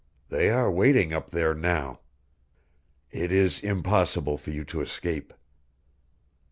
"They are waiting up there now. It is impossible for you to escape."